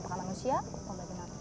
apakah manusia atau bagaimana